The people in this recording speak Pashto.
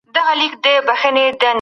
فلسفي بحثونه پياوړي کيږي.